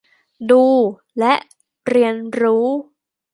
ดู และ เรียนรู้